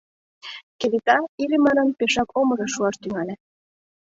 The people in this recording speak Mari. Кенета Иллимарын пешак омыжо шуаш тӱҥале.